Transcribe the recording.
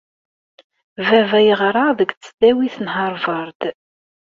Baba yeɣra deg Tesdawit n Harvard.